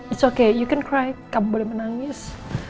it's okay you can cry kamu boleh menangis